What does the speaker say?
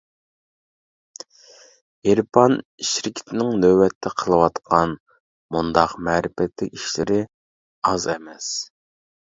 «ئېرپان» شىركىتىنىڭ نۆۋەتتە قىلىۋاتقان مۇنداق مەرىپەتلىك ئىشلىرى ئاز ئەمەس.